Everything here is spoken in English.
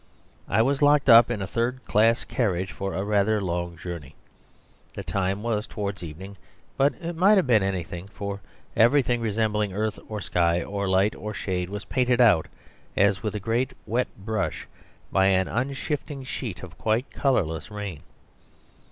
I was locked up in a third class carriage for a rather long journey. The time was towards evening, but it might have been anything, for everything resembling earth or sky or light or shade was painted out as if with a great wet brush by an unshifting sheet of quite colourless rain.